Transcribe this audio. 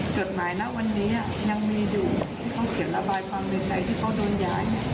จดหมายณวันนี้ยังมีอยู่ที่เขาเขียนระบายความในใจที่เขาโดนย้าย